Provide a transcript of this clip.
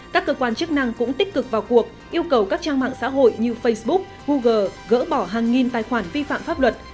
các cơ quan chức năng cũng tích cực vào cuộc yêu cầu các trang mạng xã hội như facebook google gỡ bỏ hàng nghìn tài khoản vi phạm pháp luật